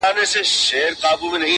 کابل منتر وهلی،